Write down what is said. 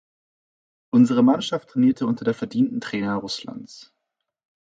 Unsere Mannschaft trainierte unter der verdienten Trainer Rußlands.